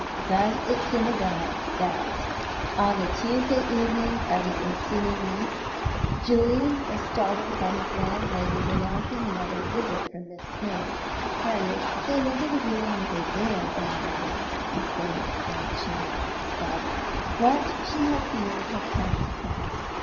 Thus it came about that, on the Tuesday evening of the ensuing week, Julian was startled by his landlady's announcing another visit from Miss Smales. Harriet came into the room with a veil over her face, and sank on a chair, sobbing. What she had feared had come to pass.